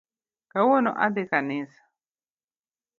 Kawuono adhi kanisa